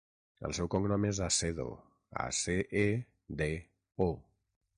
El seu cognom és Acedo: a, ce, e, de, o.